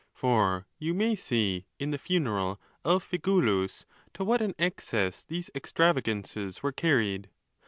For you may see in the funeral of Figulus to what an excess these extravagances. 458 ON. THE LAWS.) were carried.